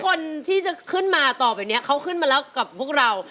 คนที่จะขึ้นมาต่อไปเนี่ยเขาขึ้นมาแล้วกับพวกเรา